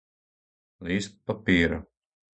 Лист папира.